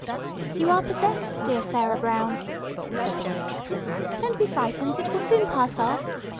"You are possessed, dear Sarah Brown," said the witch. "Don't be frightened, it will soon pass off.